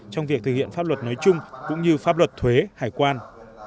trong việc thực hiện pháp luật nói chung cũng như pháp luật thuế hải quan